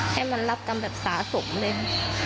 ให้มันรับกรรมแบบสะสมเลย